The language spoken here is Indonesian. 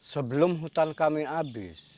sebelum hutan kami habis